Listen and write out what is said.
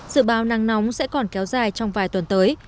dự báo nắng nóng sẽ còn kéo dài trong vài tuần tới